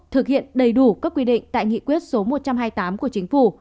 thực hiện đầy đủ các quy định tại nghị quyết số một trăm hai mươi tám của chính phủ